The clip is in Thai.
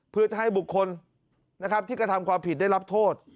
เพื่อจะให้บุคคลนะครับที่กระทำความผิดได้รับโทษ